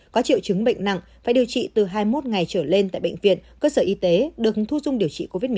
có triệu chứng bệnh nặng phải điều trị từ hai mươi một ngày trở lên tại bệnh viện cơ sở y tế được thu dung điều trị covid một mươi chín